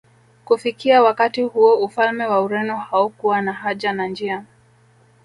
Kufikia wakati huo ufalme wa Ureno haukuwa na haja na njia